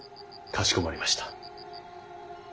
かしこまりました。